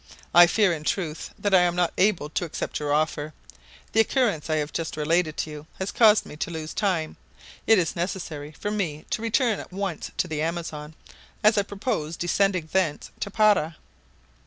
"I fear in truth that I am not able to accept your offer. The occurrence I have just related to you has caused me to lose time. It is necessary for me to return at once to the Amazon as I purpose descending thence to Para."